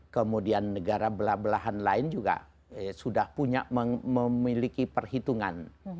kemudian negara belah belahan lain juga sudah punya memiliki perhitungan